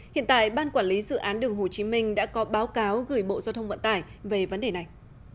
hiện tại ban quản lý dự án đường hồ chí minh đã có báo cáo gửi bộ giao thông vận tải về vấn đề này